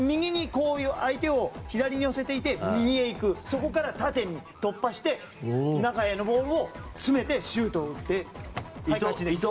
相手を左に寄せていて右へ行く、そこから縦に突破して中へのボールを詰めてシュートを打っていく形。